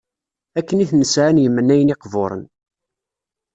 akken i ten-sεan yemnayen iqburen